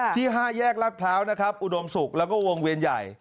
๕แยกรัฐพร้าวนะครับอุดมศุกร์แล้วก็วงเวียนใหญ่